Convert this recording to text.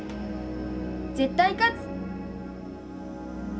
絶対勝つ！